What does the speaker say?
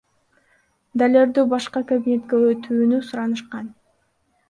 Далерду башка кабинетке өтүүнү суранышкан.